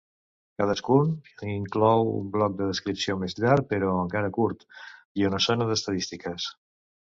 Cadascun inclou un bloc de descripció més llarg, però encara curt, i una zona d'estadístiques.